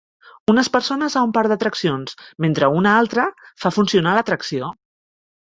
Unes persones a un parc d'atraccions mentre una altra fa funcionar l'atracció.